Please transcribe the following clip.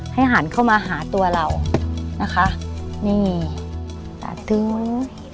ให้หันเข้ามาหาตัวเรานะคะนี่ตาตื้น